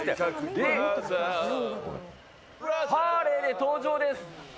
ハーレーで登場です。